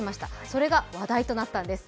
それが話題となったんです。